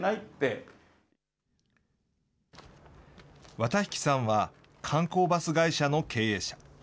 綿引さんは観光バス会社の経営者。